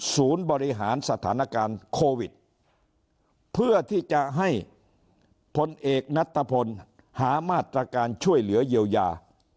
บริหารสถานการณ์โควิดเพื่อที่จะให้พลเอกนัทพลหามาตรการช่วยเหลือเยียวยา